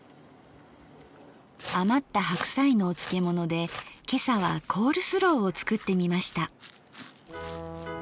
余った白菜のお漬物で今朝はコールスローを作ってみました。